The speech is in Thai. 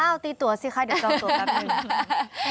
อ้าวตีตัวสิค่ะเดี๋ยวก็เอาตัวกันหน่อย